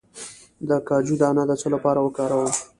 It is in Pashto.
د کاجو دانه د څه لپاره وکاروم؟